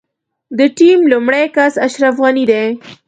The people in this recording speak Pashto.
د ټيم لومړی کس اشرف غني دی.